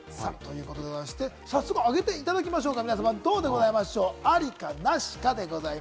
早速、上げていただきましょうか。